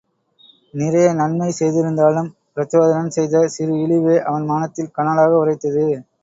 நிறைய நன்மை செய்திருந்தாலும் பிரச்சோதனன் செய்த சிறு இழிவே அவன் மனத்தில் கனலாக உறைத்தது.